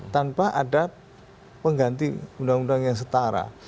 tanpa ada pengganti undang undang yang setara